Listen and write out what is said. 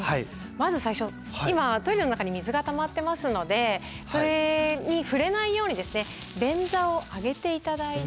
まず最初今トイレの中に水がたまってますのでそれに触れないように便座を上げて頂いて。